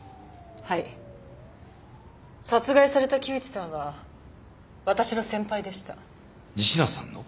はい殺害された木内さんは私の先輩でした仁科さんの？